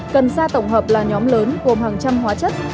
cần da tổng hợp là nhóm lớn gồm hàng trăm hóa chất